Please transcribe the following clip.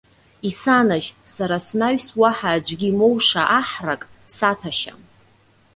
Исанажь, сара снаҩс уаҳа аӡәгьы имоуша аҳрак саҭәашьа.